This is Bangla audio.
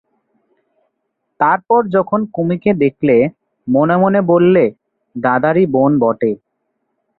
তার পর যখন কুমুকে দেখলে, মনে মনে বললে, দাদারই বোন বটে।